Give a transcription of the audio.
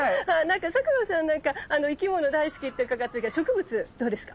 佐久間さんなんか生き物大好きって伺ってるけど植物どうですか？